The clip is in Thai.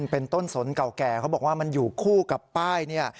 เป็นต้นสนเก่าแก่เขาบอกว่ามันอยู่คู่กับป้ายเนี่ย